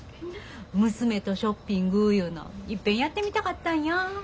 娘とショッピングいうのいっぺんやってみたかったんや。